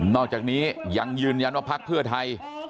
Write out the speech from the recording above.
อกจากนี้ยังยืนยันว่าพักเพื่อไทย